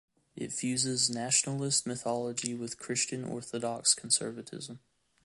It fuses nationalist mythology with Christian Orthodox conservatism.